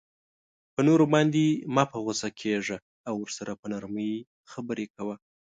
په نورو باندی مه په غصه کیږه او ورسره په نرمۍ خبری کوه